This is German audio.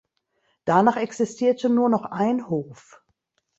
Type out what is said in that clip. Danach existierte nur noch ein Hof.